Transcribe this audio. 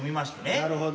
なるほど。